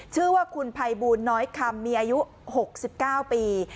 ชื่อว่าคุณภัยบูรณ์น้อยคำมีอายุหกสิบเก้าปี